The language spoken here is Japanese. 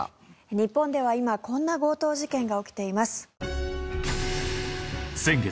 日本では今こんな強盗事件が起きています。